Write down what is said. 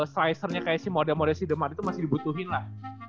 slicernya kayak si modem modem si the marth itu masih dibutuhin lah